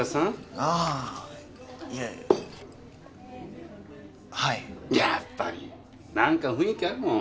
あぁいやはいやっぱりなんか雰囲気あるもん